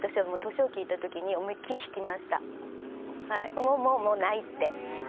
もうもうもうないって。